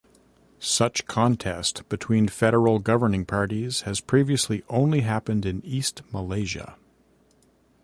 Such contest between federal governing parties has previously only happened in East Malaysia.